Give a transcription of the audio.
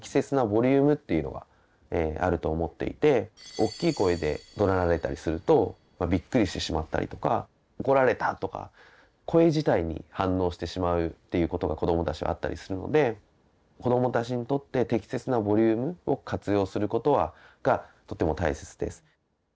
おっきい声でどなられたりするとびっくりしてしまったりとか怒られたとか声自体に反応してしまうっていうことが子どもたちはあったりするので子どもたちにとって適切なボリュームを活用することがとても大切です。